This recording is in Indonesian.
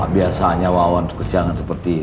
biasanya wawan kesiangan seperti itu